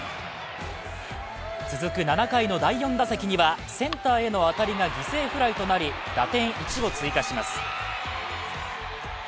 続く７回の第４打席にはセンターへの当たりが犠牲フライトなり打点１を追加します。